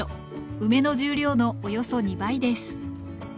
梅の重量のおよそ２倍です